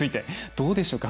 どうでしょうか？